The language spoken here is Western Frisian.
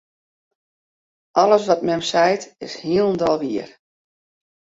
Alles wat mem seit, is hielendal wier.